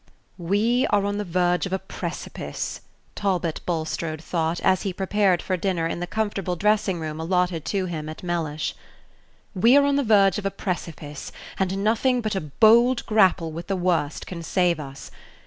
"We are on the verge of a precipice," Talbot Bulstrode thought, as he prepared for dinner in the comfortable dressing room allotted to him at Mellish "we are on the verge of a precipice, and nothing but a bold grapple with the worst can save us.